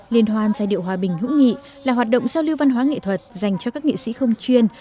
liên hoan giai điệu hòa bình hữu nghị là hoạt động giao lưu văn hóa nghệ thuật dành cho các nghệ sĩ không chuyên